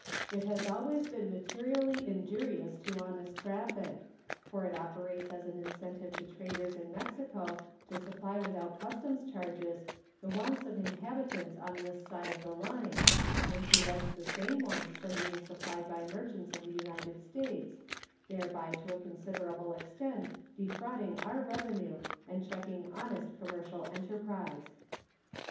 It has always been materially injurious to honest traffic, for it operates as an incentive to traders in Mexico to supply without customs charges the wants of inhabitants on this side of the line, and prevents the same wants from being supplied by merchants of the United States, thereby to a considerable extent defrauding our revenue and checking honest commercial enterprise.